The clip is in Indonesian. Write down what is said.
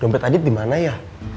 jompet adit dimana ya